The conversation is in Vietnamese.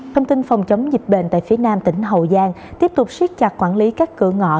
thông tin phòng chống dịch bệnh tại phía nam tỉnh hậu giang tiếp tục siết chặt quản lý các cửa ngõ